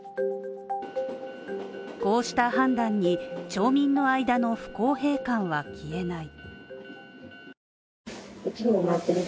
こうした判断に町民の間の不公平感は消えない。